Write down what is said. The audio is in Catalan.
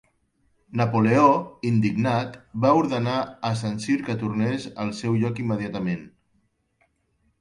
Napoleó, indignat, va ordenar a Saint-Cyr que tornés al seu lloc immediatament.